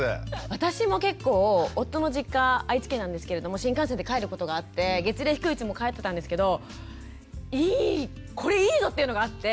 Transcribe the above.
私も結構夫の実家愛知県なんですけれども新幹線で帰ることがあって月齢低いうちも帰ってたんですけどいいこれいいぞっていうのがあって。